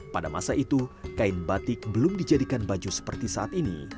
pada masa itu kain batik belum dijadikan baju seperti saat ini